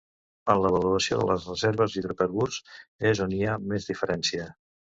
En l'avaluació de les reserves d'hidrocarburs és on hi ha més diferència.